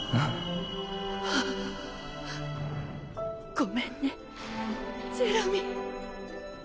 ごめんねジェラミー。